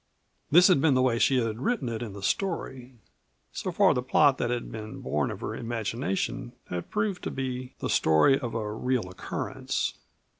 This had been the way she had written it in the story. So far the plot that had been born of her imagination had proved to be the story of a real occurrence.